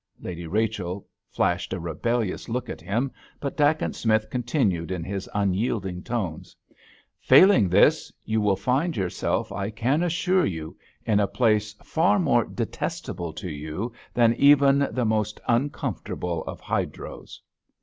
Lady Rachel flashed a rebellious look at him, but Dacent Smith continued in his unyielding tones: "Failing this, you will find yourself, I can assure you, in a place far more 'detestable' to you than even the most uncomfortable of hydros!"